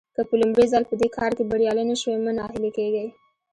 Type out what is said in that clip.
که په لومړي ځل په دې کار کې بريالي نه شوئ مه ناهيلي کېږئ.